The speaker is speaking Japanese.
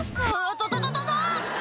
「とととと！」